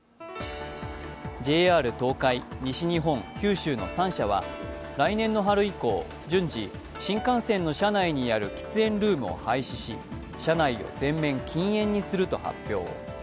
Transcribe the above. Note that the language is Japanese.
ＪＲ東海・西日本・九州の３社は来年の春以降、順次、新幹線の車内にある喫煙ルームを廃止し車内を前面禁煙にすると発表。